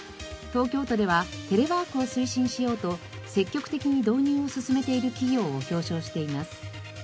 東京都ではテレワークを推進しようと積極的に導入を進めている企業を表彰しています。